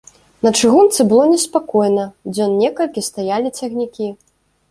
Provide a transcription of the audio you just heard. На чыгунцы было неспакойна, дзён некалькі стаялі цягнікі.